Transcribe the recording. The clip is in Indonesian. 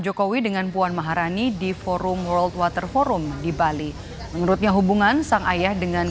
jokowi dengan puan maharani di forum world water forum di bali menurutnya hubungan sang ayah dengan